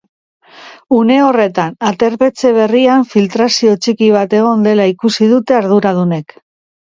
Une horretan, aterpetxe berrian filtrazio txiki bat egon dela ikusi dute arduradunek.